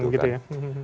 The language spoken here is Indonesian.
bergampingan gitu ya